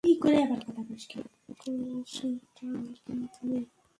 করছটা কী তুমি?